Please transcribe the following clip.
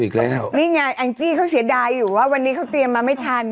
อีกแล้วนี่ไงแองจี้เขาเสียดายอยู่ว่าวันนี้เขาเตรียมมาไม่ทัน